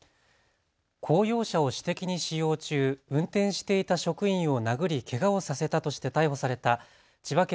公用車を私的に使用中運転していた職員を殴りけがをさせたとして逮捕された千葉県